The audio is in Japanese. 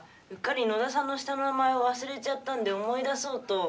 うっかり野田さんの下の名前を忘れちゃったんで思い出そうと。